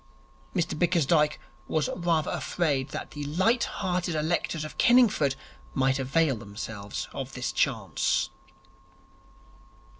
Mr Bickersdyke was rather afraid that the light hearted electors of Kenningford might avail themselves of this chance.